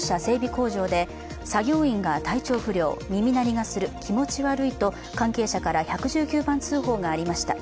工場で、作業員が体調不良、耳鳴りがする、気持ち悪いと関係者から１１９番通報がありました。